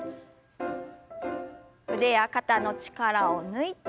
腕や肩の力を抜いて。